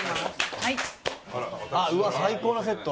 うわっ最高なセット。